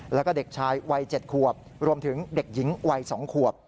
แล้วก็เด็กชายวัย๗ขวบรวมถึงเด็กหญิงวัย๒ขวบ